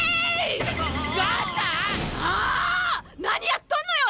何やっとんのよ